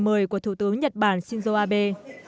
mời của thủ tướng nhật bản shinzo abe